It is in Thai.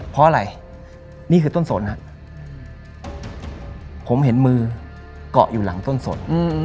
เพราะอะไรนี่คือต้นสนฮะผมเห็นมือเกาะอยู่หลังต้นสน